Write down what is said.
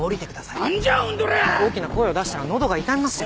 大きな声を出したらのどが傷みますよ。